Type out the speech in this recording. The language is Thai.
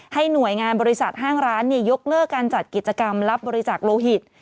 หน่วยงานบริษัทห้างร้านยกเลิกการจัดกิจกรรมรับบริจาคโลหิต